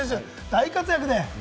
大活躍で。